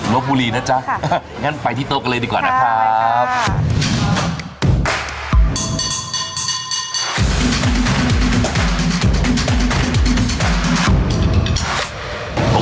ลโบรีเนอะจ้ะค่ะงั้นไปที่โต๊กันเลยดีกว่านะครับไปครับ